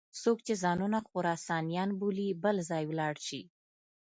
څوک چې ځانونه خراسانیان بولي بل ځای ولاړ شي.